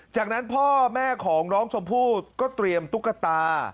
จากนั้นพ่อแม่ของน้องชมพู่ก็เตรียมตุ๊กตา